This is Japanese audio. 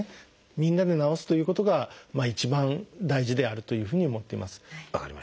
みんなで治すということが一番大事であるというふうに思ってます。